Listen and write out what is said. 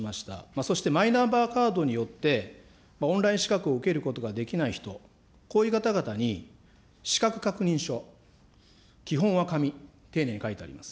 そしてマイナンバーカードによってオンライン資格を受けることができない人、こういう方々に資格確認書、基本は紙、丁寧に書いてあります。